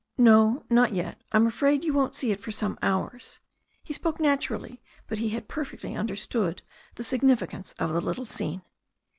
"No, not yet. I'm afraid you won't see it for some hours.'* He spoke naturally, but he had perfectly understood the sig nificance of the little scene.